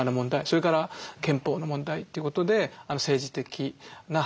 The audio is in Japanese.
それから憲法の問題ということで政治的な発言をすると。